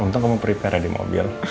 untung kamu prepare di mobil